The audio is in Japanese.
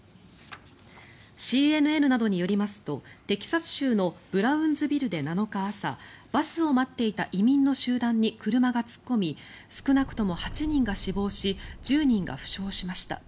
ＣＮＮなどによりますとテキサス州のブラウンズビルで７日朝バスを待っていた移民の集団に車が突っ込み少なくとも８人が死亡し１０人が負傷しました。